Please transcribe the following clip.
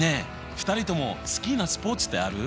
２人とも好きなスポーツってある？